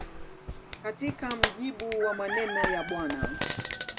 Katika mujibu wa maneno ya Bw.